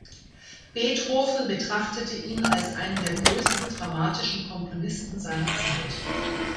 Beethoven betrachtete ihn als einen der größten dramatischen Komponisten seiner Zeit.